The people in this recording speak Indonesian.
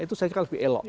itu saya kira lebih elok